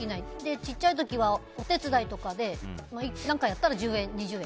小さい時はお手伝いとかで何かやったら１０円、２０円。